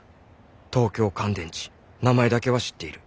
東京乾電池名前だけは知っている。